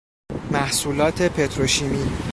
محصولات پتروشیمی